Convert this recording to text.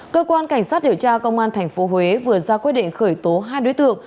cơ quan cảnh sát điều tra công an tp huế vừa ra quyết định khởi tố hai đối tượng